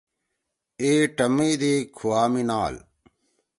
اِی ٹمی دی کُھوا می نال